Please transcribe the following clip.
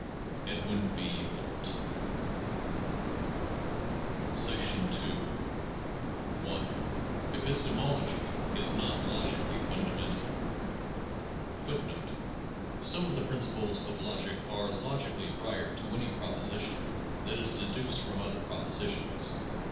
Edwin B. Holt. II 1. Epistemology is not logically fundamental. 1 1 Some of the principles of logic are logically prior to any proposition that is deduced from other propositions.